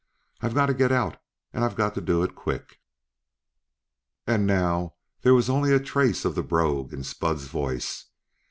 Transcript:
I've got to get out, and I've got to do it quick." And now there was only a trace of the brogue in Spud's voice.